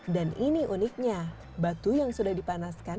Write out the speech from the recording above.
dan ini uniknya batu yang sudah dipanaskan